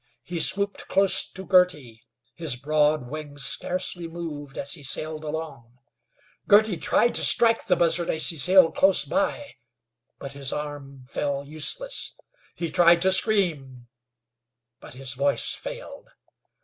He swooped close to Girty. His broad wings scarcely moved as he sailed along. Girty tried to strike the buzzard as he sailed close by, but his arm fell useless. He tried to scream, but his voice failed.